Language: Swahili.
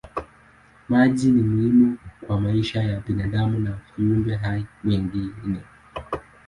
Maji ni muhimu kwa maisha ya binadamu na viumbe hai wengine.